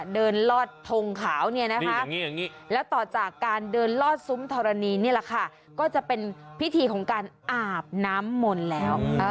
เดินลอดทงขาวและต่อจากการเดินลอดซุมธรณีก็จะเป็นพิธีของการอาบน้ำมนต์แล้ว